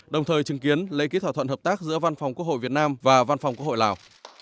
đồng thời chứng kiến lấy ký thỏa thuận hợp tác giữa văn phòng quốc hội việt nam và văn phòng quốc hội lào